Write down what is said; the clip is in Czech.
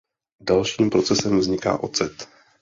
Dalším procesem vzniká ocet.